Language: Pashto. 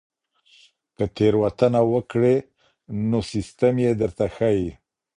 که تېروتنه وکړئ نو سیستم یې درته ښيي.